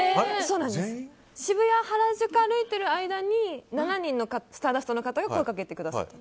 渋谷、原宿歩いてる間に７人のスターダストの方が声をかけてくださった。